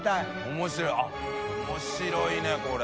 △面白いねこれ。